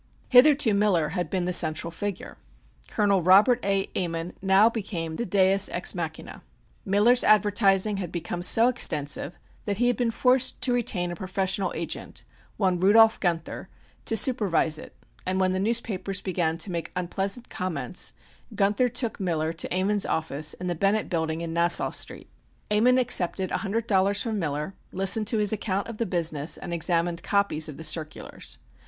Hitherto Miller had been the central figure. Col. Robert A. Ammon now became the deus ex machina. Miller's advertising had become so extensive that he had been forced to retain a professional agent, one Rudolph Guenther, to supervise it, and when the newspapers began to make unpleasant comments, Guenther took Miller to Ammon's office in the Bennett Building in Nassau Street. Ammon accepted a hundred dollars from Miller, listened to his account of the business and examined copies of the circulars.